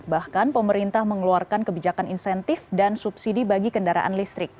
bahkan pemerintah mengeluarkan kebijakan insentif dan subsidi bagi kendaraan listrik